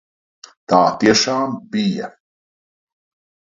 Un tiešām bija.